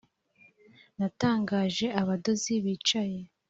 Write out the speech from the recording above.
natangaje abadozi bicaye,